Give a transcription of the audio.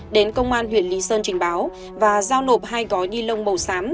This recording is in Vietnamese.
đến công an huyện lý sơn trình báo và giao nộp hai gói ni lông màu xám